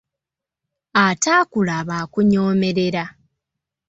Ataakulaba akunyoomerera.